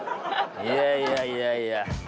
いやいやいやいや。